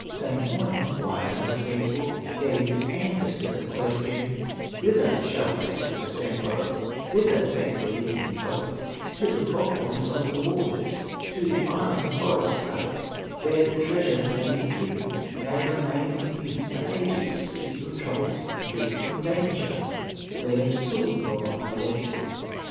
Wainamoinen, wise and faithful, Gave this answer to the question: "Thither shall we take the Sampo, Thither take the lid in colors, To the fog point on the waters, To the island forest covered; There the treasure may be hidden, May remain in peace for ages, Free from trouble, free from danger, Where the sword will not molest it."